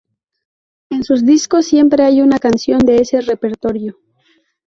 En sus discos siempre hay una canción de ese repertorio.